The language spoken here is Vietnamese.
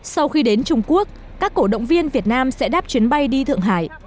sau khi đến trung quốc các cổ động viên việt nam sẽ đáp chuyến bay đi thượng hải